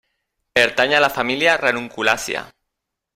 Pertany a la família Ranunculàcia.